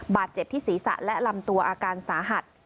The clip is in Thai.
บาดเจ็บที่ศีรษะและลำตัวอาการสาหัส